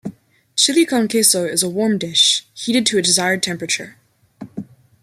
Chile con queso is a warm dish, heated to a desired temperature.